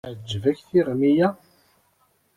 Teɛǧeb-ak tiɣmi-ya?